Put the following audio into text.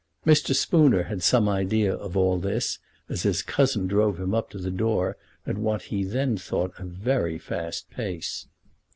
Mr. Spooner had some idea of all this as his cousin drove him up to the door, at what he then thought a very fast pace.